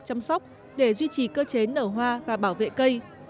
chăm sóc để duy trì cơ chế nở hoa và bảo vệ cây